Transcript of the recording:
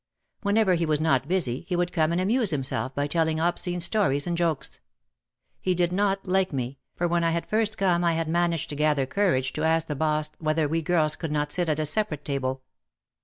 Whenever he was not busy he would come and amuse himself by telling obscene stories and jokes. He did not like me, for when I had first come I had managed to gather courage to ask the boss whether we girls could not sit at a separate table.